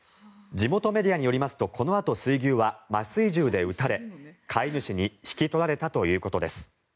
地元メディアによりますとこのあと水牛は麻酔銃で撃たれ、飼い主に引き取られたということです。